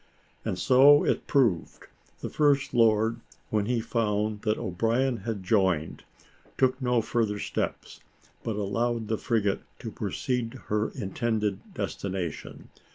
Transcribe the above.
And so it proved; the First Lord, when he found that O'Brien had joined, took no further steps, but allowed the frigate to proceed to her intended destination.